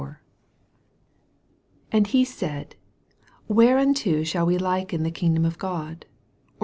30 And he said, Whereunto shall we liken the kingdom of God